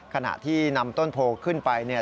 ขณะที่นำต้นโพรขึ้นไป